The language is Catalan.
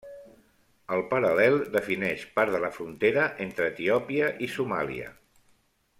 El paral·lel defineix part de la frontera entre Etiòpia i Somàlia.